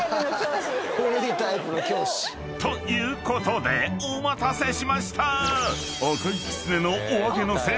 ［ということでお待たせしました！］